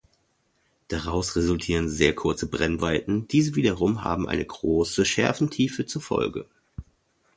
Daraus resultieren sehr kurze Brennweiten, diese wiederum haben eine große Schärfentiefe zur Folge.